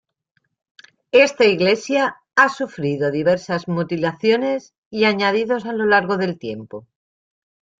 Esta iglesia ha sufrido diversas mutilaciones y añadidos a lo largo del tiempo.